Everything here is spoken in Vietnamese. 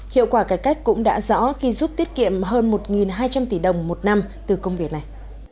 hiệu quả cải cách cũng đã rõ khi giúp tiết kiệm hơn một hai trăm linh tỷ đồng một năm từ công việc này